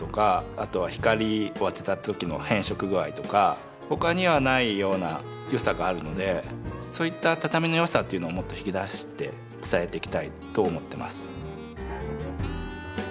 あとは光を当てた時の変色具合とか他にはないような良さがあるのでそういった畳の良さというのをもっと引き出して伝えていきたいと思ってます。